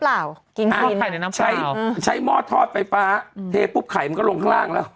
กินของไข่ในน้ำเปล่าใช้หม้อทอดไฟฟ้าเทปุ๊บไข่มันก็ลงข้างล่างแล้ว